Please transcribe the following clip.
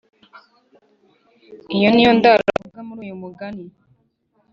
iyo niyo ndaro bavuga muri uyu mugani